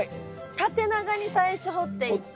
縦長に最初掘っていって。